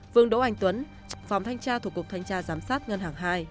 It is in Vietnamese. vương đỗ anh tuấn phòng thanh tra thuộc cục thanh tra giám sát ngân hàng hai